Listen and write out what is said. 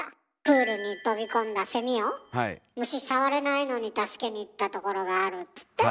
プールに飛び込んだセミを虫触れないのに助けにいったところがあるっつって。